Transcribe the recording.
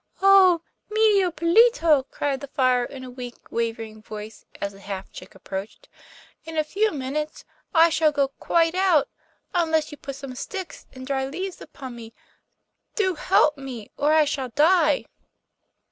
'Oh! Medio Pollito,' cried the fire, in a weak, wavering voice as the half chick approached, 'in a few minutes I shall go quite out, unless you put some sticks and dry leaves upon me. Do help me, or I shall die!